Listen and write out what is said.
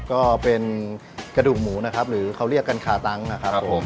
ก็เป็นกระดูกหมูนะครับหรือเขาเรียกกันคาตังค์นะครับผม